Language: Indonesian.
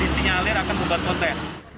disinyalir akan membahayakan konten